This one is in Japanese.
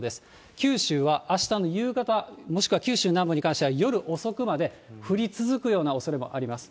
九州はあしたの夕方、もしくは九州南部に関しては、夜遅くまで降り続くようなおそれもあります。